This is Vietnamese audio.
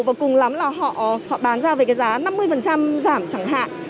và cùng lắm là họ bán ra về cái giá năm mươi giảm chẳng hạn